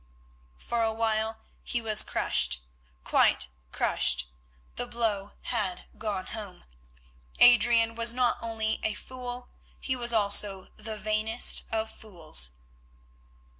For a while he was crushed, quite crushed; the blow had gone home. Adrian was not only a fool, he was also the vainest of fools.